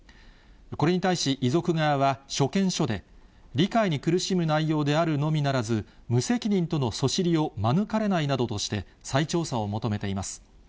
これに対し、遺族側は所見書で、理解に苦しむ内容であるのみならず、無責任とのそしりを免れないなどとして、再調査を求めています。